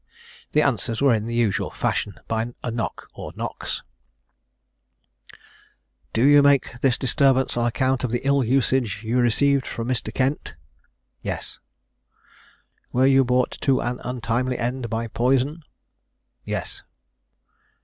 The answers were in the usual fashion, by a knock or knocks: "Do you make this disturbance on account of the ill usage you received from Mr. Kent?" "Yes." "Were you brought to an untimely end by poison?" "Yes."